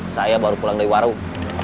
saya baru pulang dari warung